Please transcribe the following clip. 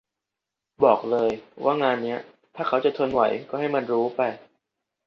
บอกเลยว่างานนี้ถ้าเขาจะทนไหวก็ให้มันรู้ไป